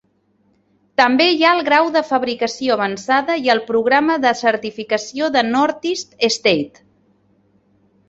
També hi ha el grau de fabricació avançada i el programa de certificació de Northeast State.